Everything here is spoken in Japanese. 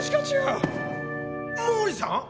毛利さん？